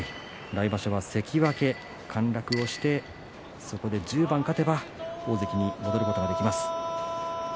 来場所は関脇陥落をしてそこで１０番勝てば大関に戻ることができます。